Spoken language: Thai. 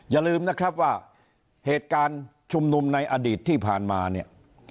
อย่าลืมนะครับว่าเหตุการณ์ชุมนุมในอดีตที่ผ่านมาเนี่ย